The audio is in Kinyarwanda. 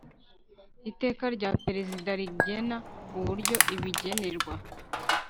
Iteka rya Perezida rigena uburyo ibigenerwa